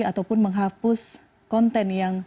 ataupun menghapus konten yang